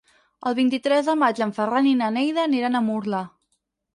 El vint-i-tres de maig en Ferran i na Neida aniran a Murla.